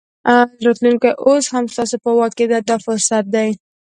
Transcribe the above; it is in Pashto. راتلونکی اوس هم ستاسو په واک دی دا ښه فرصت دی.